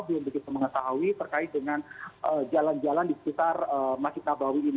belum begitu mengetahui terkait dengan jalan jalan di sekitar masjid nabawi ini